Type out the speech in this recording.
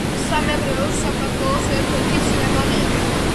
სამეგრელო საქართველოს ერთ-ერთი სიამაყეა.